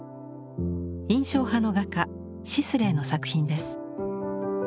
印象派の画家シスレーの作品です。